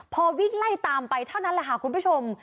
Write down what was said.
พอวิ่งไล่ตามไปเท่านั้นคุณผู้ชม